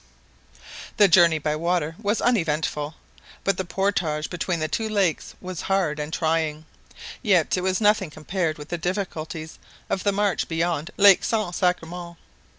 The journey by water was uneventful; but the portage between the two lakes was hard and trying. Yet it was nothing compared with the difficulties of the march beyond Lake Saint Sacrement.